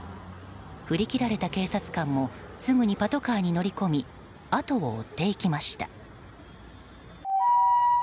振り切られた警察官もすぐにパトカーに乗り込み後を追っていきました。